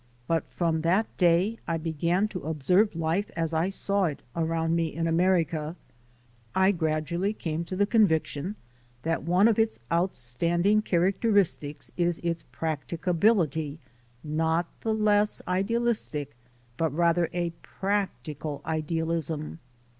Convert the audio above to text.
But from that day I began to observe life as I saw it around me in America. I gradually came to the conviction that one of its outstanding char acteristics is its practicability, not the less idealistic, but rather a practical idealism.